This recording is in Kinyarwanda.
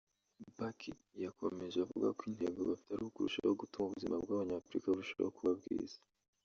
Bakey yakomeje avuga ko intego bafite ari ukurushaho gutuma ubuzima bw’Abanyafurika burushaho kuba bwiza